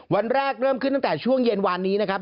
วันแรกเริ่มขึ้นตั้งแต่ช่วงเย็นวานนี้นะครับ